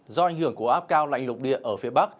do ảnh hưởng của áp cao lạnh lục địa ở phía bắc